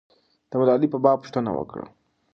د ملالۍ په باب پوښتنه وکړه.